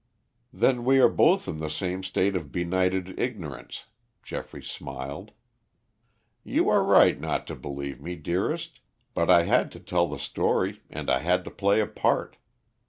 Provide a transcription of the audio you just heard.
"Then we are both in the same state of benighted ignorance," Geoffrey smiled. "You are right not to believe me, dearest, but I had to tell the story and I had to play a part.